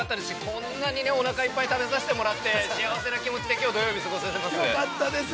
こんなにね、おなかいっぱい食べさせてもらって幸せな気持ちできょう土曜日過ごせます。